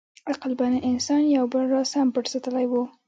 عقلمن انسان یو بل راز هم پټ ساتلی و.